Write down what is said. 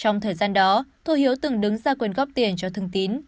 trong thời gian đó tô hiếu từng đứng ra quyền góp tiền cho thương tín